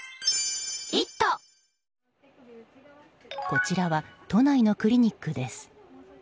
こちらは都内のクリニックです。